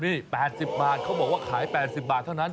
นี่๘๐บาทเขาบอกว่าขาย๘๐บาทเท่านั้น